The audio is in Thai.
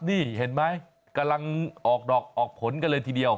นี่เห็นไหมกำลังออกดอกออกผลกันเลยทีเดียว